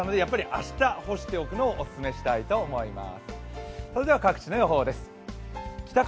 明日干しておくのをお勧めしたいと思います。